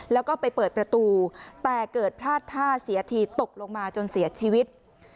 แล้วก็ไปเปิดประตูแต่เกิดพลาดท่าเสียทีตกลงมาจนเสียชีวิต